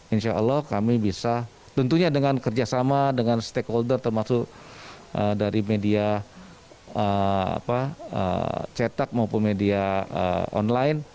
insya allah kami bisa tentunya dengan kerjasama dengan stakeholder termasuk dari media cetak maupun media online